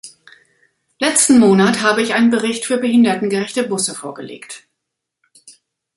Letzten Monat habe ich einen Bericht für behindertengerechte Busse vorgelegt.